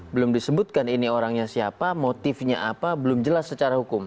belum disebutkan ini orangnya siapa motifnya apa belum jelas secara hukum